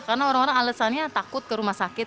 karena orang orang alasannya takut ke rumah sakit